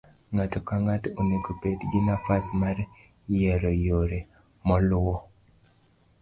ng'ato ka ng'ato onego bed gi nafas mar yiero yore moluwo